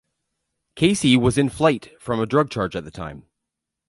Kesey was in flight from a drug charge at the time.